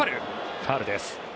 ファウルです。